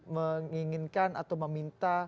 menginginkan atau meminta